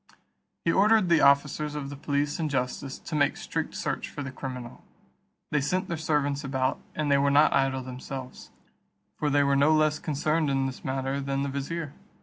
He ordered the officers of the police and justice to make strict search for the criminal. They sent their servants about, and they were not idle themselves, for they were no less concerned in this matter than the vizier.